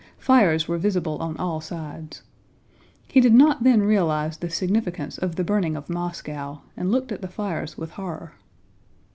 Fires were visible on all sides. He did not then realize the significance of the burning of Moscow, and looked at the fires with horror.